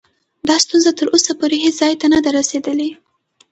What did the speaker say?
دا ستونزه تر اوسه پورې هیڅ ځای ته نه ده رسېدلې.